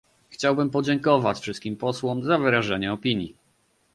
Chciałbym podziękować wszystkim posłom za wyrażenie opinii